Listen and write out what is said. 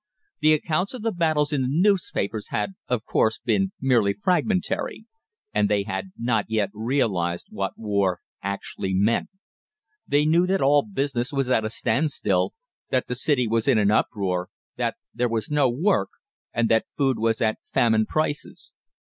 The accounts of the battles in the newspapers had, of course, been merely fragmentary, and they had not yet realised what war actually meant. They knew that all business was at a standstill, that the City was in an uproar, that there was no work, and that food was at famine prices.